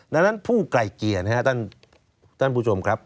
ดังนั้นผู้ไกลเกลี่ยนะครับท่านผู้ชมครับ